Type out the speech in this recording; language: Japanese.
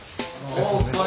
おお疲れ。